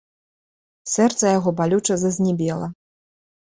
Сэрца яго балюча зазнібела.